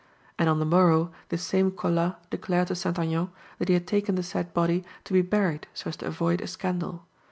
And on the morrow this same Colas declared to St. Aignan that he had taken the said body to be buried, so as to avoid a scandal.